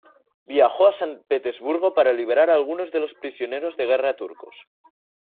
Viajó a San Petersburgo para liberar a algunos prisioneros de guerra turcos.